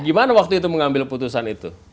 gimana waktu itu mengambil putusan itu